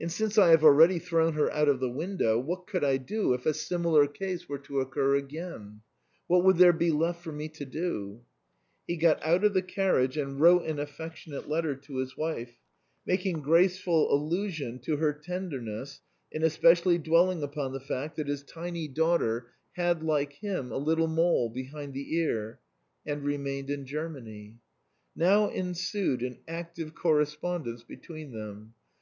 And since I have already thrown her out of the window, what could I do if a similar case were to occur again ? What would there be left for me to do ?" He got out of the carriage, and wrote an affectionate letter to his wife, making graceful allusion to her tenderness in especially dwelling upon the fact that his tiny daughter had like him a little mole behind the ear, and — remained in Germany. Now ensued an active correspondence between them.